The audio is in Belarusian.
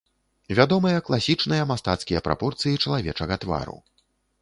Вядомыя класічныя мастацкія прапорцыі чалавечага твару.